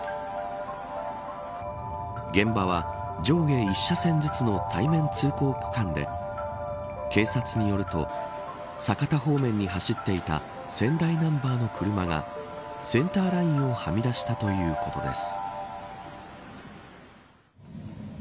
現場は、上下１車線ずつの対面通行区間で警察によると酒田方面に走っていた仙台ナンバーの車がセンターラインをはみ出したということです。